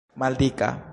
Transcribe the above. maldika